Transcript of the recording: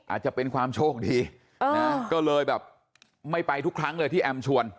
อาจจะเป็นความโชคดีนะก็เลยแบบไม่ไปทุกครั้งเลยที่แอมชวน